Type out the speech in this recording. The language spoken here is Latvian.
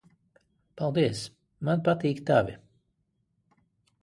Paldies. Man patīk tavi.